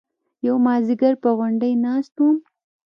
يو مازديگر پر غونډۍ ناست وم.